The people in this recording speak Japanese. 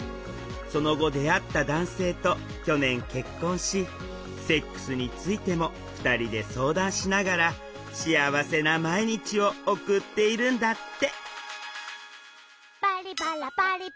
その後出会った男性と去年結婚しセックスについても２人で相談しながら幸せな毎日を送っているんだって！